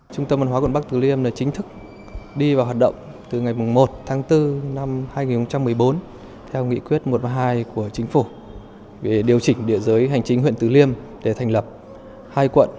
trung tâm văn hóa quận bắc từ liêm đã chính thức đi vào hoạt động từ ngày một tháng bốn năm hai nghìn một mươi bốn theo nghị quyết một và hai của chính phủ về điều chỉnh địa giới hành chính huyện từ liêm để thành lập hai quận